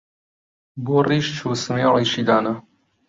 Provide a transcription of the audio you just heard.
بۆ ڕیش چوو سمێڵیشی دانا